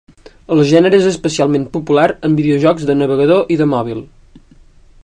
El gènere és especialment popular en videojocs de navegador i de mòbil.